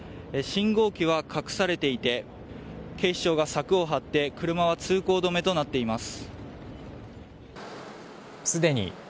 信号機は隠されていて、警視庁が柵を張って、車は通行止めとなっています。